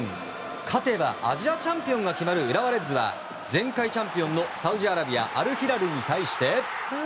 勝てば、アジアチャンピオンが決まる浦和レッズは前回チャンピオンのサウジアラビアアルヒラルに対して。